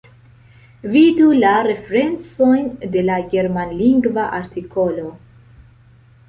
Vidu la referencojn de la germanlingva artikolo!